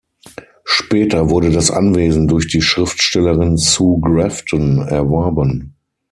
Später wurde das Anwesen durch die Schriftstellerin Sue Grafton erworben.